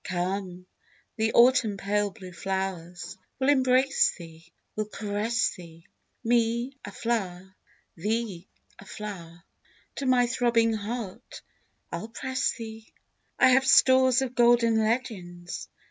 ... Come, the autumn pale blue flowers Will embrace thee, will caress thee; Me—a flower; thee—a flower, To my throbbing heart I'll press thee! I have stores of golden legends.